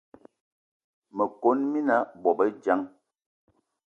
Me kon mina bobedjan.